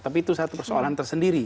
tapi itu satu persoalan tersendiri